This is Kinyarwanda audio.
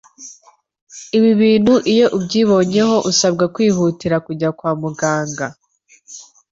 ibi bintu iyo ubyibonyeho usabwa kwihutira kujya kwa muganga.